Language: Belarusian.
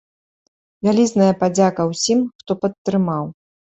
Вялізная падзяка ўсім, хто падтрымаў!